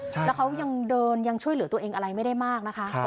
แล้วเขายังเดินยังช่วยเหลือตัวเองอะไรไม่ได้มากนะคะ